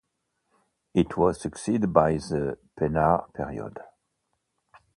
It was succeeded by the Penard Period.